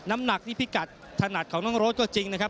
น้ำหนักนี่พิกัดถนัดของน้องโรดก็จริงนะครับ